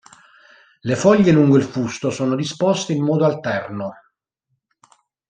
Le foglie lungo il fusto sono disposte in modo alterno.